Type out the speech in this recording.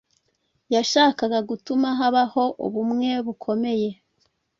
Yashakaga gutuma habaho ubumwe bukomeye